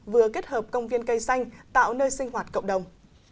vừa kết hợp công viên cây xanh tạo nơi sinh hoạt cộng đồng